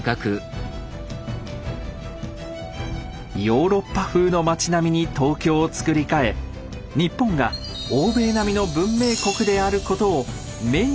ヨーロッパ風の町並みに東京をつくり替え日本が欧米並みの文明国であることを目に見える形でアピール。